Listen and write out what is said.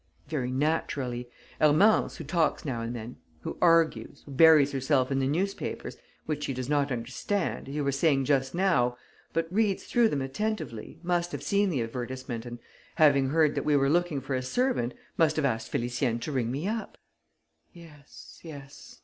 "Very naturally. Hermance, who talks now and then, who argues, who buries herself in the newspapers, which she does not understand, as you were saying just now, but reads through them attentively, must have seen the advertisement and, having heard that we were looking for a servant, must have asked Félicienne to ring me up." "Yes ... yes